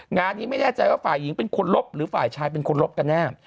งานนี้ไม่แน่ใจว่าฝ่ายหญิงเป็นคนลบหรือฝ่ายชายเป็นคนลบกันแน่